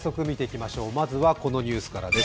まずはこのニュースからです。